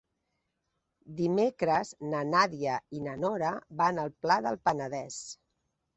Dimecres na Nàdia i na Nora van al Pla del Penedès.